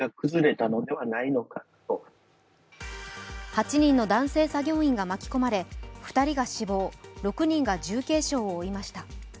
８人の男性作業員が巻き込まれ２人が死亡、６人が重軽傷を負いました。